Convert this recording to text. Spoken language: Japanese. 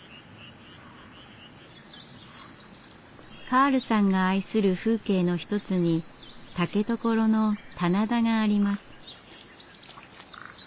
カールさんが愛する風景の一つに竹所の棚田があります。